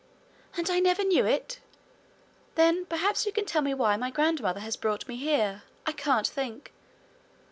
'And I never knew it! Then perhaps you can tell me why my grandmother has brought me here? I can't think.